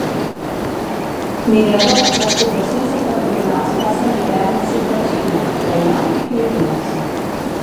Migrador, les poblacions septentrionals passen l'hivern al sud de la Xina, Taiwan i Filipines.